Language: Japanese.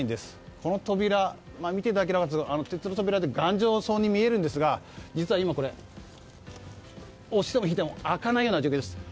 この扉を見ていただくと鉄の扉で頑丈そうに見えるんですが実は今、押しても引いても開かないような状況です。